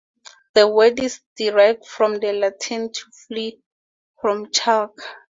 The word is derived from the Latin 'to flee from chalk'.